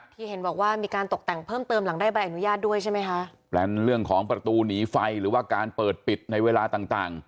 เห็นบอกว่ามีการตกแต่งเพิ่มเติมหลังได้ใบอนุญาตด้วยใช่ไหมคะแปลนเรื่องของประตูหนีไฟหรือว่าการเปิดปิดในเวลาต่างต่าง